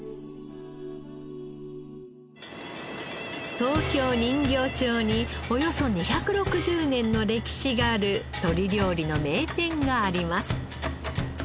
東京人形町におよそ２６０年の歴史がある鳥料理の名店があります。